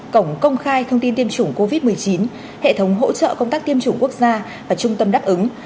cổng công khai thông tin tiêm chủng covid một mươi chín hệ thống hỗ trợ công tác tiêm chủng quốc gia và trung tâm đáp ứng